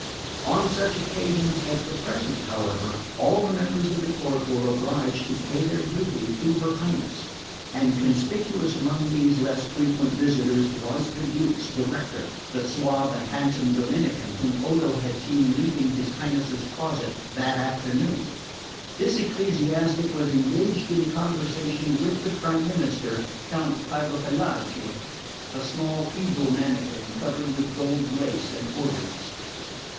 On such occasions as the present, however, all the members of the court were obliged to pay their duty to her Highness; and conspicuous among these less frequent visitors was the Duke's director, the suave and handsome Dominican whom Odo had seen leaving his Highness's closet that afternoon. This ecclesiastic was engaged in conversation with the Prime Minister, Count Pievepelago, a small feeble mannikin covered with gold lace and orders.